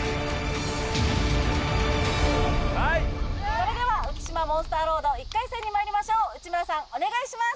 それでは浮島モンスターロード１回戦にまいりましょう内村さんお願いします